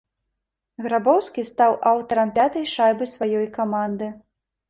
Грабоўскі стаў аўтарам пятай шайбы сваёй каманды.